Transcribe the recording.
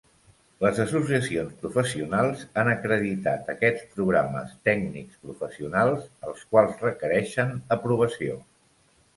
Les associacions professionals han acreditat aquests programes tècnics-professionals, els quals requereixen aprovació.